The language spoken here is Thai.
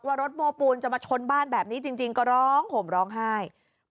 รถโม้ปูนจะมาชนบ้านแบบนี้จริงก็ร้องห่มร้องไห้